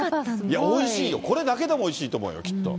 いや、おいしいよ、これだけでもおいしいと思うよ、きっと。